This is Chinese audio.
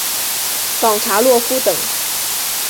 冈察洛夫等。